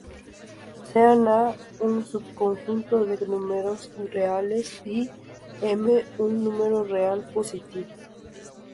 Sean A un subconjunto de números reales y M un número real positivo.